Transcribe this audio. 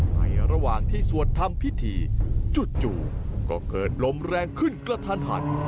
ในระหว่างที่สวดทำพิธีจู่ก็เกิดลมแรงขึ้นกระทันหัน